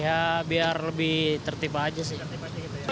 ya biar lebih tertipa aja sih